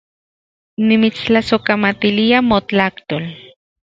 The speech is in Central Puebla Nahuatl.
Nimitstlasojkamatilia motlajtol